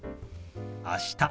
「あした」。